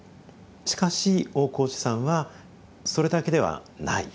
しかし大河内さんはそれだけではない。